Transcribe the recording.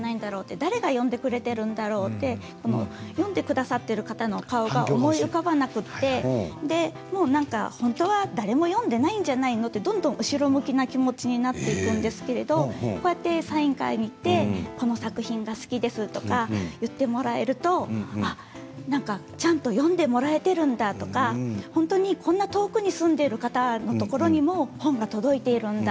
誰が読んでくれているんだろう読んでくださっている方の顔が思い浮かばなくて本当は誰も読んでいないんじゃないの？とどんどん後ろ向きな気持ちになっていくんですけれどこうやってサイン会に行ってこの作品が好きですとか言ってもらえるとちゃんと読んでもらえているんだとかこんな遠くに住んでいる方のところにも本が届いているんだ。